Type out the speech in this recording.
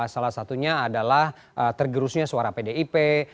salah satunya adalah tergerusnya suara pdip